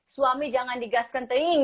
suami jangan digaskan